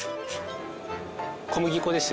小麦粉です。